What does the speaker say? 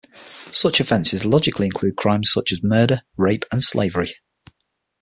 Such offenses logically include crimes such as murder, rape and slavery.